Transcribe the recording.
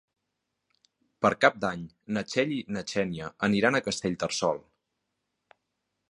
Per Cap d'Any na Txell i na Xènia aniran a Castellterçol.